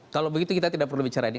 kalau begitu kita tidak perlu bicara ini